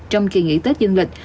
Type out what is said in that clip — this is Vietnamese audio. trong kỳ nghỉ tết dương lịch